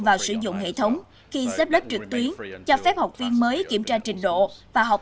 vào sử dụng hệ thống khi xếp lớp trực tuyến cho phép học viên mới kiểm tra trình độ và học